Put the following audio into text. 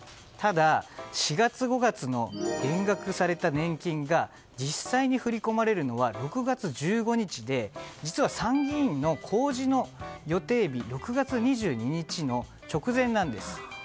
ただ、４月、５月の減額された年金が実際に振り込まれるのは６月１５日で実は参議院の公示の予定日６月２２日の直前なんです。